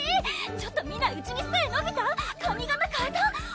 ちょっと見ないうちに背のびた⁉髪形かえた？